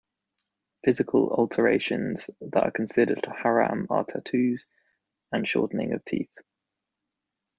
Physical alterations that are considered haram are tattoos and shortening of teeth.